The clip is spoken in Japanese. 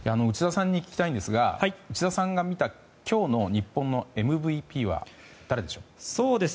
内田さんに聞きたいんですが内田さんが見た今日の日本のＭＶＰは誰でしょう？